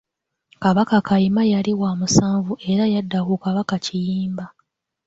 Kabaka Kayima yali wa musanvu era yadda ku kabaka Kiyimba.